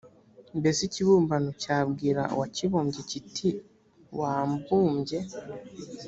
mbese ikibumbano cyabwira uwakibumbye kiti kuki wambumbye